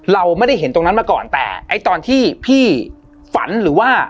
เราไม่ได้เห็นตรงนั้นมาก่อนแต่ไอ้ตอนที่พี่ฝันหรือว่า